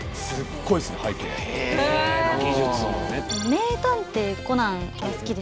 「名探偵コナン」が好きです。